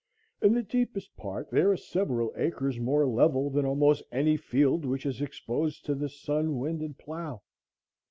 In the deepest part there are several acres more level than almost any field which is exposed to the sun wind and plough.